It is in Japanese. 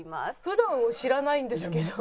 普段を知らないんですけど。